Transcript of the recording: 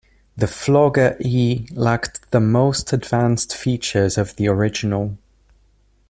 The 'Flogger-E' lacked the most advanced features of the original.